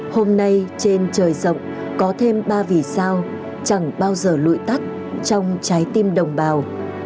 hôm nay trên trời rộng có thêm ba vì sao chẳng bao giờ lụi tắt trong trái tim đồng bào